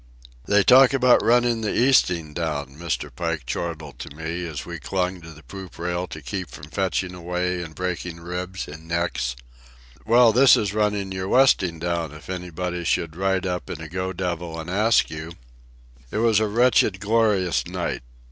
"They talk about running the easting down," Mr. Pike chortled to me, as we clung to the poop rail to keep from fetching away and breaking ribs and necks. "Well, this is running your westing down if anybody should ride up in a go devil and ask you." It was a wretched, glorious night.